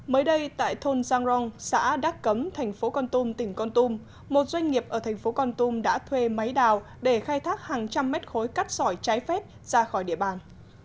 mới đây tại thôn giang rong xã đắc cấm thành phố con tum tỉnh con tum một doanh nghiệp ở thành phố con tum đã thuê máy đào để khai thác hàng trăm mét khối cát sỏi trái phép ra khỏi địa bàn